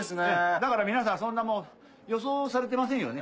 だから皆さんそんな予想されてませんよね